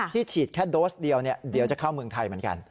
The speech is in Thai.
ฉีดแค่โดสเดียวเดี๋ยวจะเข้าเมืองไทยเหมือนกัน